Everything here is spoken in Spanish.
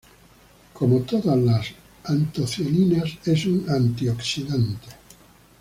Como todas las antocianinas, es un antioxidante.